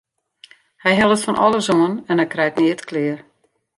Hy hellet fan alles oan en hy krijt neat klear.